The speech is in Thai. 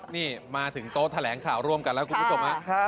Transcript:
นี่มาถึงโต๊ะแถลงข่าวร่วมกันแล้วคุณวิทย์สมมติ